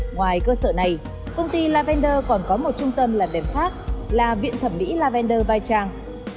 ngoài cơ sở này công ty lavender còn có một trung tâm làm đẹp khác là viện thẩm mỹ lavender vai trang